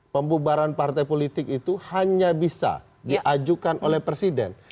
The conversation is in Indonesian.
pembubaran partai politik itu hanya bisa diajukan oleh presiden